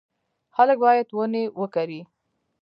خلک باید ونې وکري.